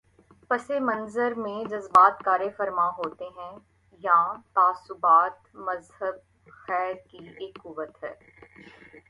پس منظر میں جذبات کارفرما ہوتے ہیں یا تعصبات مذہب خیر کی ایک قوت ہے۔